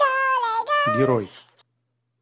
герой